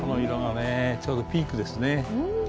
ちょうどピークですね。